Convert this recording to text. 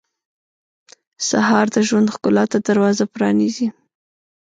سهار د ژوند ښکلا ته دروازه پرانیزي.